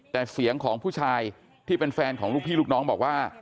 แต่เสียงของผู้ชายที่เป็นแฟนของลูกพี่ลูกน้องบอกว่า